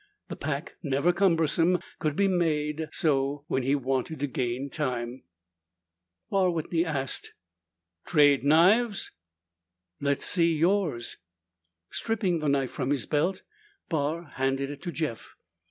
The pack, never cumbersome, could be made so when he wanted to gain time. Barr Whitney asked, "Trade knives?" "Let's see yours." Stripping the knife from his belt, Barr handed it to Jeff.